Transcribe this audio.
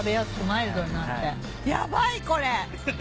ヤバいこれ。